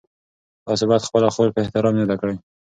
تاسو باید خپله خور په احترام یاده کړئ.